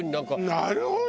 なるほど！